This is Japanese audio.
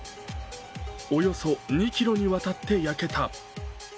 およそ２ｋｍに渡って焼けた。